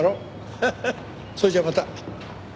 ハハッ。それじゃあまた。